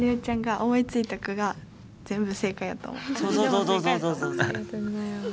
ありがとうございます。